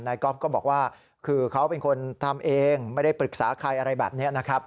ก๊อฟก็บอกว่าคือเขาเป็นคนทำเองไม่ได้ปรึกษาใครอะไรแบบนี้นะครับ